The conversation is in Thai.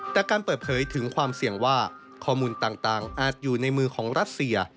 แต่การเปิดเผยถึงความเสี่ยงว่าข้อมูลต่างอาจอยู่ในมือของรัสเซีย